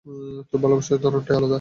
তোর ভালোবাসার ধরনটাই আলাদা!